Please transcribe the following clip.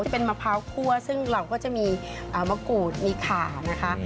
เป็นมะพร้าวคั่วซึ่งเราก็จะมีมะกรูดมีขานะคะ